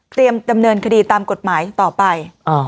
ดำเนินคดีตามกฎหมายต่อไป